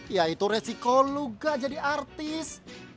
ya itu resiko lo gak jadi artis